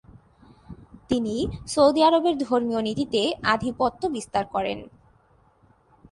তিনি সৌদি আরবের ধর্মীয় নীতিতে আধিপত্য বিস্তার করেন।